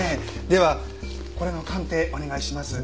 ではこれの鑑定お願いします。